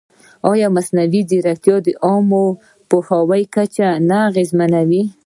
ایا مصنوعي ځیرکتیا د عامه پوهاوي کچه نه اغېزمنوي؟